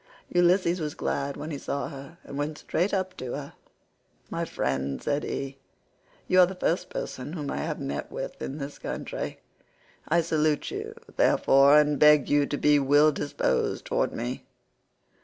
Ulysses was glad when he saw her, and went straight up to her. "My friend," said he, "you are the first person whom I have met with in this country; I salute you, therefore, and beg you to be well disposed towards me.